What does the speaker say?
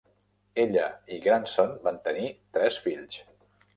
Ella i Granson van tenir tres fills.